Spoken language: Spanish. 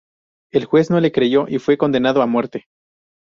El juez no le creyó y fue condenado a muerte.